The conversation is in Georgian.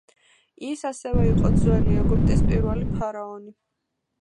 ის ასევე იყო ძველი ეგვიპტის პირველი ფარაონი.